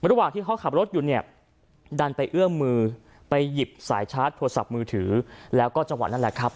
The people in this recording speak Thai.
ระหว่างที่เขาขับรถอยู่เนี่ยดันไปเอื้อมมือไปหยิบสายชาร์จโทรศัพท์มือถือแล้วก็จังหวะนั่นแหละครับ